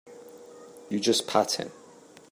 You just pat him.